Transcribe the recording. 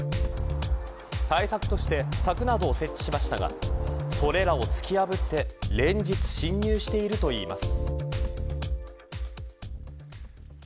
対策として、柵などを設置しましたがそれらを突き破って連日侵入しているといいます。